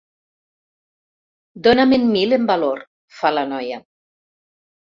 Dóna-me'n mil en valor —fa la noia.